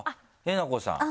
なこさん。